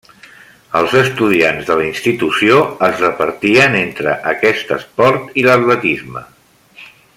Els estudiants de la institució es repartien entre aquest esport i l'atletisme.